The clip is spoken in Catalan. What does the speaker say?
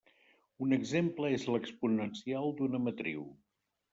Un exemple és l'exponencial d'una matriu.